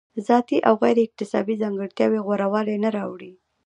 ذاتي او غیر اکتسابي ځانګړتیاوې غوره والی نه راوړي.